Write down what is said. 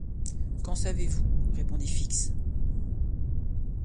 Qu’en savez-vous? répondit Fix.